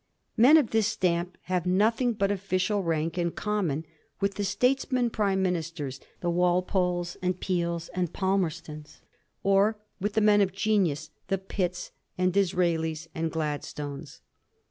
Men of this stamp have nothing but official rank in common with the statesmen Prime Ministers, the Walpoles and Peels and Pal merstons ; or with the men of genius, the Pitts and Disraelis and Gladstones.